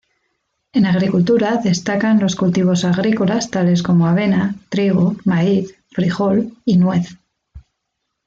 En agricultura destacan los cultivos agrícolas tales como avena, trigo, maíz, frijol y nuez.